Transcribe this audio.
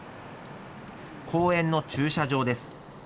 公園の駐車場です。